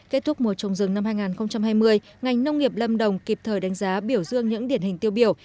kết thúc mùa trồng rừng năm hai nghìn hai mươi ngành nông nghiệp lâm đồng kịp thời đánh giá biểu dương những điển hình tiêu biểu